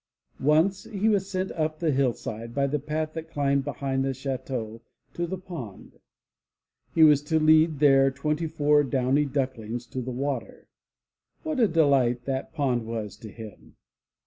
Once he was sent up the hillside by the path that climbed be hind the chateau to the pond. He was to lead their twenty four downy ducklings to the water. What a delight that pond was to him.